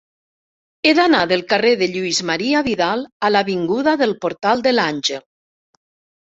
He d'anar del carrer de Lluís Marià Vidal a l'avinguda del Portal de l'Àngel.